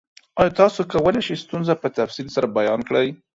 ایا تاسو کولی شئ ستونزه په تفصیل سره بیان کړئ؟